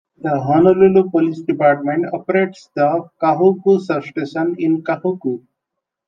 The Honolulu Police Department operates the Kahuku Substation in Kahuku.